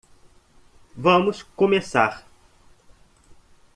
Vamos começar.